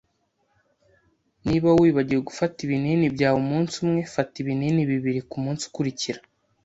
Niba wibagiwe gufata ibinini byawe umunsi umwe, fata ibinini bibiri kumunsi ukurikira.